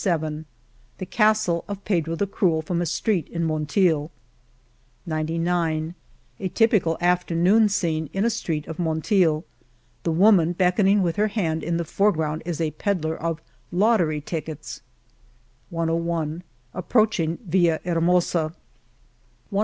p6 The Castle of Pedro the Cruel^ from a street in Mon leil, 97 A typical afternoon scene in a street of Monteil. The woman beckoning with her hand in the foreground is a pedler of lottery tickets y ., gg Approaching ViUahermosa^ .....